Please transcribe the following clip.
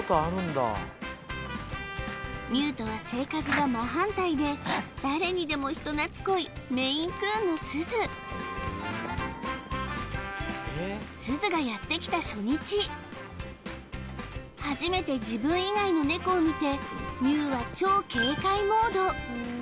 ミューとは性格が真反対で誰にでも人懐こいすずがやってきた初日初めて自分以外のネコを見てミューは超警戒モード